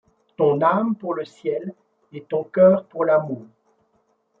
Ton âme pour le ciel et ton coeur pour l'amour !